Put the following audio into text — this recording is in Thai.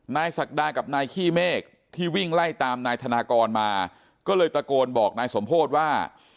ศักดากับนายขี้เมฆที่วิ่งไล่ตามนายธนากรมาก็เลยตะโกนบอกนายสมโพธิว่า